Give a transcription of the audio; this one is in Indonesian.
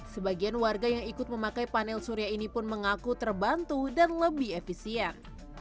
sebagian warga yang ikut memakai panel surya ini pun mengaku terbantu dan lebih efisien